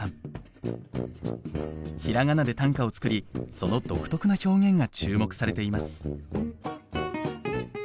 ひらがなで短歌を作りその独特な表現が注目されています。